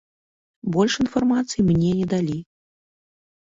Больш інфармацыі мне не далі.